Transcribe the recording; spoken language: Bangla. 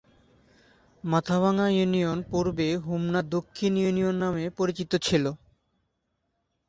মাথাভাঙ্গা ইউনিয়ন পূর্বে হোমনা দক্ষিণ ইউনিয়ন নামে পরিচিত ছিল।